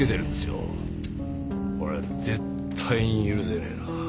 これは絶対に許せねえな。